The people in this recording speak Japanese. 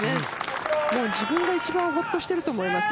自分が一番ほっとしていると思います。